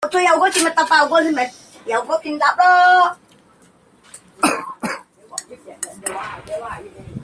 溫州大混飩這家連鎖店